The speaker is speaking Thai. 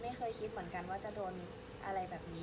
ไม่เคยคิดเหมือนกันว่าจะโดนอะไรแบบนี้